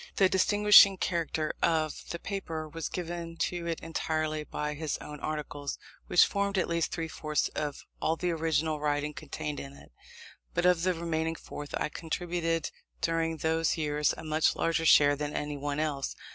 The distinguishing character of the paper was given to it entirely by his own articles, which formed at least three fourths of all the original writing contained in it: but of the remaining fourth I contributed during those years a much larger share than anyone else.